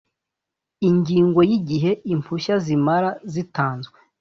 Ingingo y’Igihe impushya zimara zitanzwe